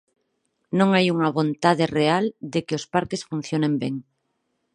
Non hai unha vontade real de que os parques funcionen ben.